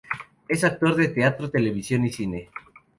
Es actor de teatro, television y cine.